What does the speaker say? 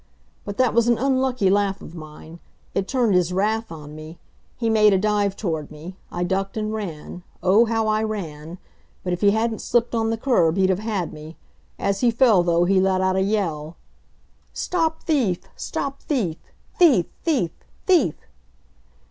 But that was an unlucky laugh of mine; it turned his wrath on me. He made a dive toward me. I ducked and ran. Oh, how I ran! But if he hadn't slipped on the curb he'd have had me. As he fell, though, he let out a yell. "Stop thief! stop thief! Thief! Thief! Thief!"